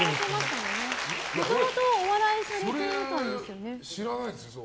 もともとお笑いをされてたんですよね。